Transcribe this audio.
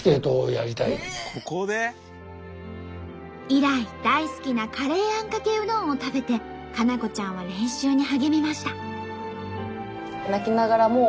以来大好きなカレーあんかけうどんを食べて佳菜子ちゃんは練習に励みました。